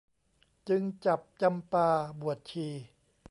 จึงจับจำปาบวชชี